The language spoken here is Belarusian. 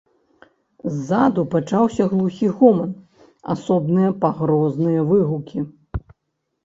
Ззаду пачаўся глухі гоман, асобныя пагрозныя выгукі.